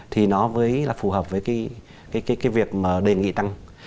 thì nó phù hợp với việc đề nghị tăng